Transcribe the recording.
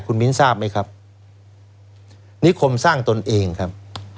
คุณมิ้นทราบไหมครับนิคมสร้างตนเองครับ